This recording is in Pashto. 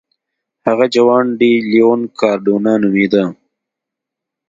هغه جوان ډي لیون کاردونا نومېده.